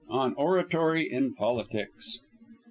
ON ORATORY IN POLITICS.